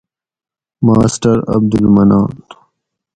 ماسٹر عبدالمنان